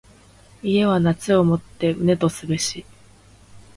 家は夏をもって旨とすべし。